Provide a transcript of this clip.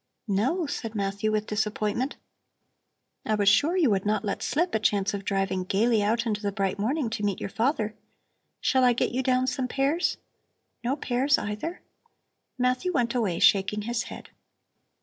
"No?" said Matthew with disappointment. "I was sure you would not let slip a chance of driving gaily out into the bright morning to meet your father. Shall I get you down some pears? No pears, either?" Matthew went away, shaking his head.